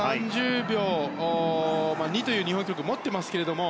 ３０秒２という日本記録を持ってますけれども